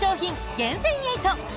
厳選８。